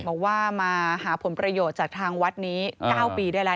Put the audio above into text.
บอกว่ามาหาผลประโยชน์จากทางวัดนี้๙ปีได้แล้ว